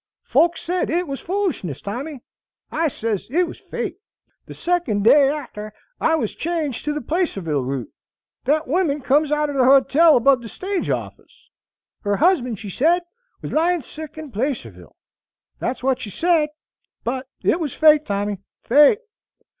Folks said it was foolishness: Tommy, I sez it was Fate! The second day arter I was changed to the Placerville route, thet woman comes outer the hotel above the stage office. Her husband, she said, was lying sick in Placerville; that's what she said; but it was Fate, Tommy, Fate.